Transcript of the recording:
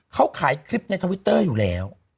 เขาขายคลิปในทวิตเตอร์อยู่แล้ว